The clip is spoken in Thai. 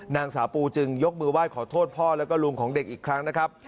นางสาวปูจึงยกมือไหว้ขอโทษพ่อแล้วก็ลุงของเด็กอีกครั้งนะครับ